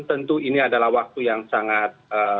tentu ini adalah waktu yang sangat